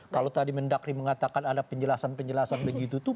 kalau tadi mendakri mengatakan ada penjelasan penjelasan begitu tuh